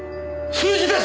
数字です！！